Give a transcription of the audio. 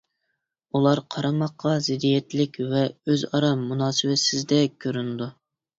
ئۇلار قارىماققا زىددىيەتلىك ۋە ئۆزئارا مۇناسىۋەتسىزدەك كۆرۈنىدۇ.